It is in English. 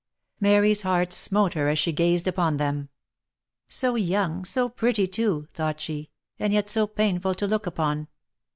Mary's heart smote her as she gazed upon them. " So young — so pretty too!" thought she, " and yet so painful to look upon!"